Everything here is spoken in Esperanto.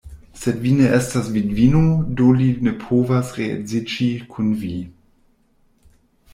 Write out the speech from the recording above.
Sed vi ne estas vidvino; do li ne povas reedziĝi kun vi.